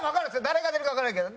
誰が出るかわからないけど。